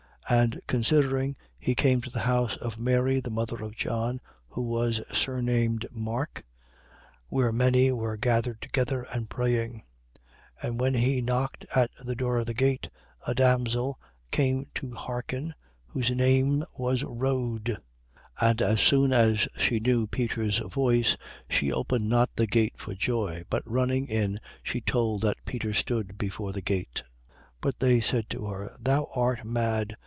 12:12. And considering, he came to the house of Mary the mother of John, who was surnamed Mark, where many were gathered together and praying. 12:13. And when he knocked at the door of the gate, a damsel came to hearken. whose name was Rhode. 12:14. And as soon as she knew Peter's voice, she opened not the gate for joy: but running in she told that Peter stood before the gate. 12:15. But they said to her: Thou art mad.